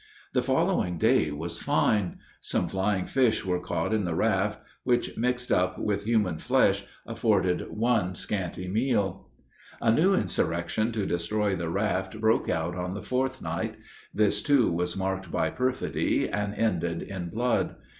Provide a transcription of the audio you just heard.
The following day was fine. Some flying fish were caught in the raft; which, mixed up with human flesh, afforded one scanty meal. A new insurrection to destroy the raft, broke out on the fourth night; this too, was marked by perfidy, and ended in blood.